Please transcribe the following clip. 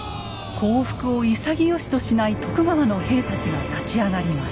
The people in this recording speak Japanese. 降伏を潔しとしない徳川の兵たちが立ち上がります。